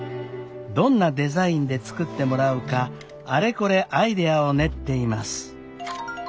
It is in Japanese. どんなデザインで作ってもらうかあれこれアイデアを練っています。